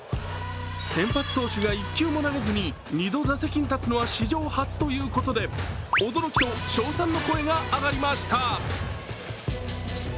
先発投手が１球も投げずに２度、打席に立つのは史上初ということで驚きと称賛の声が上がりました。